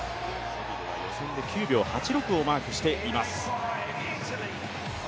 セビルは予選で９秒８６をマークしています。